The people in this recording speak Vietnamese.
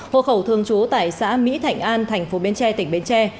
hộ khẩu thường trú tại xã mỹ thạnh an thành phố bến tre tỉnh bến tre